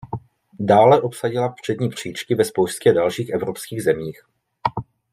Dále obsadila přední příčky ve spoustě dalších evropských zemích.